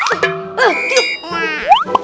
aduh aduh aduh